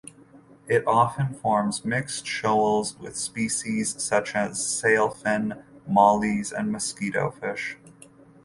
It often forms mixed shoals with species such as sailfin mollies and mosquitofish.